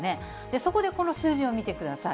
そこでこの数字を見てください。